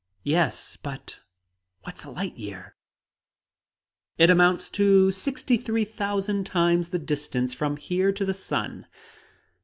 "Yes, but what's a light year?" "It amounts to sixty three thousand times the distance from here to the sun!"